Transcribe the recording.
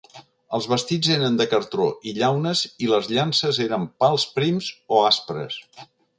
Els vestits eren de cartó i llaunes i les llances eren pals prims o aspres.